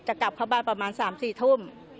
กลับเข้าบ้านประมาณ๓๔ทุ่ม